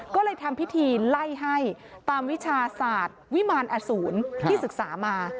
ก็เลยทำพิธีไล่ให้ตามวิชาศาสตร์วิมารอสูรที่ศึกษามา